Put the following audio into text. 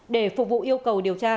để phục vụ yêu cầu điều tra